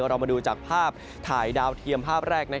เรามาดูจากภาพถ่ายดาวเทียมภาพแรก